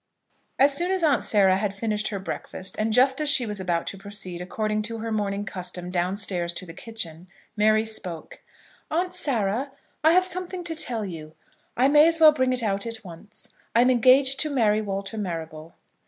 As soon as Aunt Sarah had finished her breakfast, and just as she was about to proceed, according to her morning custom, down stairs to the kitchen, Mary spoke. "Aunt Sarah, I have something to tell you. I may as well bring it out at once. I am engaged to marry Walter Marrable."